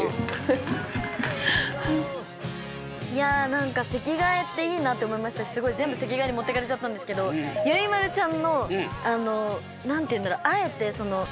何か席替えっていいなって思いましたし全部席替えに持ってかれちゃったんですけどゆいまるちゃんの何ていうんだろう。